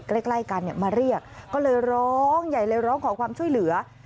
ใกล้กันมาเรียกก็เลยร้องใหญ่เลยร้องขอความช่วยเหลือ